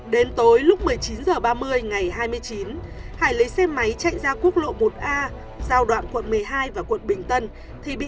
đến tối lúc một mươi chín h ba mươi ngày hai mươi chín hải lấy xe máy chạy ra quốc lộ một a giao đoạn quận một mươi hai và quận bình tân thì bị